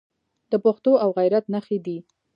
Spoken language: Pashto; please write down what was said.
د پښتو او غیرت نښې دي.